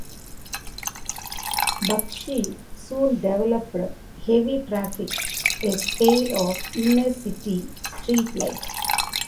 Bakshi soon developed "Heavy Traffic", a tale of inner-city street life.